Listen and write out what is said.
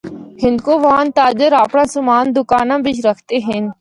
ہندکووان تاجر اپنڑا سامان دوکاناں بچ رکھدے ہن۔